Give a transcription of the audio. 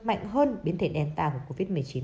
mạnh hơn biến thể delta của covid một mươi chín